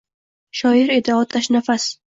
Shoir edi otashnafas